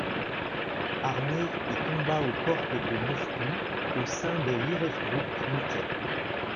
Armee et combat aux portes de Moscou au sein de l'Heeresgruppe Mitte.